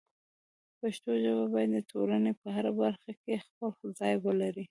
پښتو ژبه باید د ټولنې په هره برخه کې خپل ځای ولري.